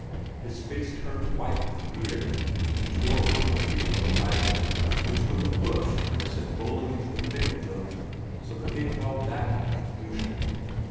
His face turned white with fear, and he tore a whiffletree from the wagon, which with a push he sent rolling into the thick of them, so that they fell back in confusion.